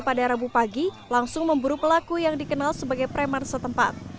pada rabu pagi langsung memburu pelaku yang dikenal sebagai preman setempat